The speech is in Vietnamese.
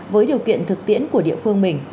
với điều kiện thực tiễn của địa phương